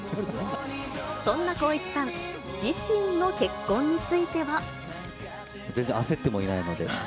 そんな光一さん、全然焦ってもいないので。